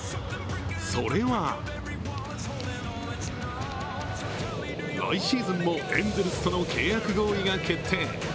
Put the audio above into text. それは来シーズンもエンゼルスとの契約合意が決定。